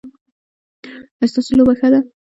ایا ستاسو لوبه ښه ده؟